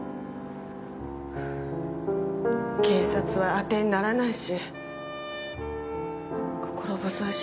警察は当てにならないし心細いし。